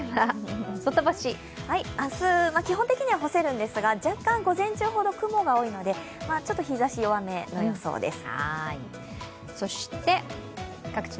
明日、基本的には干せるんですが若干、午前中ほど雲が多いので日ざし弱めの予想です。